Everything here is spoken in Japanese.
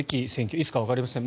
いつかわかりません